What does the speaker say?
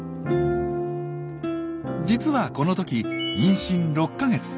実はこの時妊娠６か月。